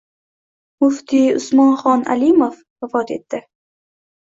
Muftiy Usmonxon Alimov vafot etdi